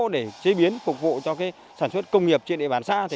để chế biến phục vụ cho sản xuất công nghiệp trên địa bàn xã